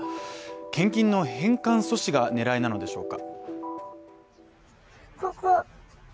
献金の返還阻止が狙いなのでしょうか。